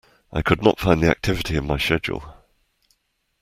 I could not find the activity in my Schedule.